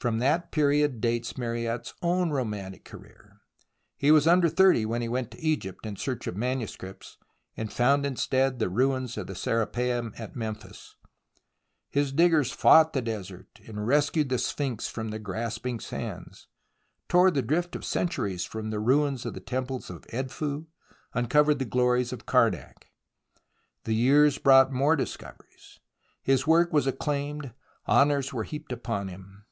From that period dates Mariette's own romantic career. He was under thirty when he went to Egypt in search of manuscripts, and found instead the rmns of the Serapeum at Memphis. His diggers fought the desert, and rescued the Sphinx from the grasping sands, tore the drift of centuries from the ruins of the temples of Edfu, uncovered the glories of Karnak. The years brought more discoveries, his work was acclaimed, honours were heaped upon him.